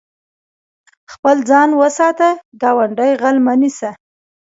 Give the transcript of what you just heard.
خپل ځان وساته، ګاونډی غل مه نيسه.